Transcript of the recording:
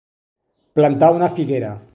Plantar una figuera.